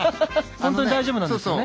本当に大丈夫なんですよね？